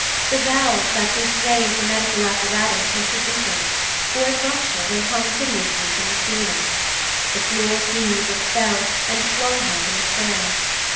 The valves that restrained the Medical Apparatus must have weakened, for it ruptured and hung hideously from the ceiling. The floor heaved and fell and flung her from the chair.